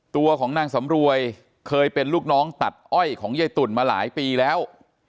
ตัวของนางสำรวยเคยเป็นลูกน้องตัดอ้อยของยายตุ่นมาหลายปีแล้ว